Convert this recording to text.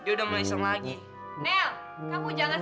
oh kompor minyak tanah